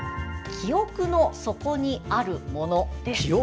「記憶の底にあるもの」。